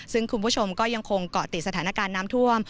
ซึ่งคุณผู้ชมก็ยังคงเกาะติดสถานการณ์น้ำท่วม